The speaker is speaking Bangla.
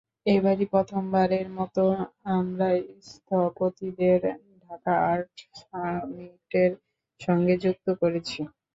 এবারই প্রথমবারের মতো আমরা স্থপতিদের ঢাকা আর্ট সামিটের সঙ্গে যুক্ত করেছি।